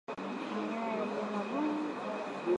Manyoya yaliyo magumu